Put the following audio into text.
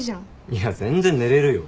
いや全然寝れるよ。